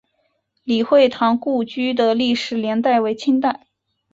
李惠堂故居的历史年代为清代。